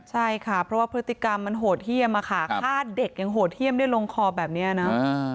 ใช่ค่ะเพราะว่าพฤติกรรมมันโหดเยี่ยมค่ะฆ่าเด็กยังโหดเยี่ยมได้ลงคอแบบนี้นะ